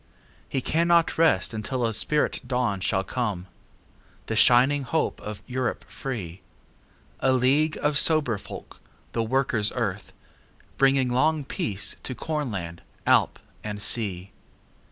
He cannot rest until a spirit dawnShall come;—the shining hope of Europe free:A league of sober folk, the Workers' Earth, Bringing long peace to Cornland, Alp and Sea.